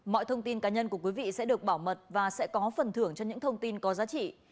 mọi thông tin cá nhân của quý vị sẽ được bảo mật và sẽ có phần thưởng cho những thông tin có giá trị